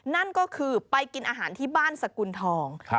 นั่นก็คือไปกินอาหารที่บ้านสกุลทอง